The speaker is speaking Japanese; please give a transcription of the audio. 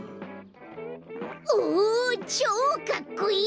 おちょうかっこいい！